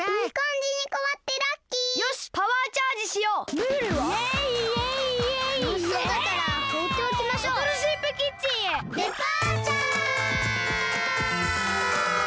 デパーチャー！